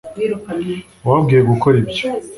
wababwiye gukora ibyo